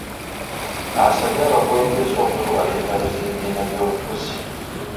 Asabye abakulembeze okwewala entalo z’ebibiina by’obufuzi.